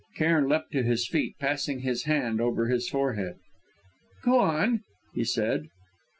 Cairn leapt to his feet, passing his hand over his forehead. "Go on," he said.